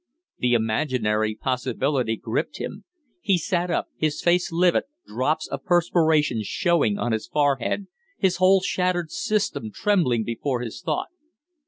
The imaginary possibility gripped him. He sat up, his face livid, drops of perspiration showing on his forehead, his whole shattered system trembling before his thought.